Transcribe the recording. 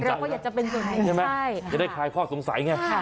หรือว่าเขาอยากจะเป็นส่วนหนึ่งใช่ไหมอยากได้คลายข้อสงสัยไง